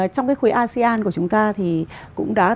trong cái khuế asean của chúng ta thì cũng đã thành viên